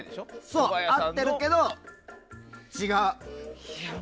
そう、合ってるけど違う。